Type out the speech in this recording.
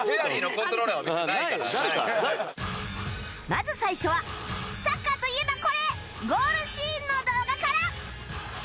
まず最初はサッカーといえばこれゴールシーンの動画から